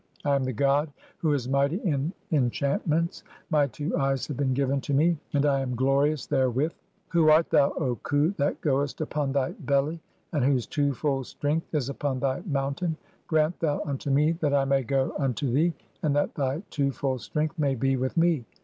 I am the god who is mighty in enchantments; "my two eyes have been given to me, and I am glorious (7) "therewith. Who art thou, O Khu that goest upon thy belly, "and whose two fold strength is upon thy mountain ? Grant "thou unto me (8) that I may go unto thee , and that thy two "fold strength may be with me.